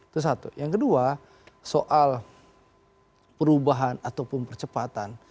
tersebut yang kedua soal hai perubahan ataupun percepatan